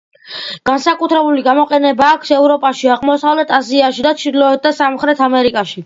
განსაკუთრებული გამოყენება აქვს ევროპაში, აღმოსავლეთ აზიაში და ჩრდილოეთ და სამხრეთ ამერიკაში.